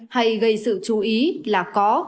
hay gây sự chú ý là có